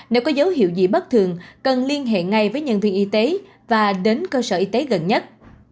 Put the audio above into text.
nếu có dấu hiệu gì bất thường cần liên hệ ngay với nhân viên y tế và đến cơ sở y tế gần nhất